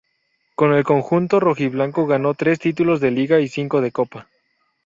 Con el conjunto rojiblanco ganó tres títulos de Liga y cinco de Copa.